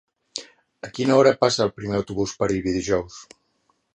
A quina hora passa el primer autobús per Ibi dijous?